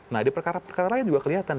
nah di perkara perkara lain juga kelihatan